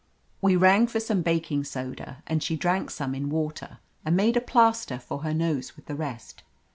We rang for some baking soda, and she drank some in water and made a plaster for her nose with the rest.